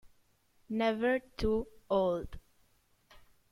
Never Too Old